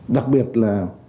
đặc biệt là